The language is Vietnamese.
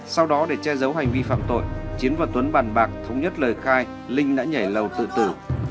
sau đó để che giấu hành vi phạm tội chiến và tuấn bàn bạc thống nhất lời khai linh đã nhảy lầu tự tử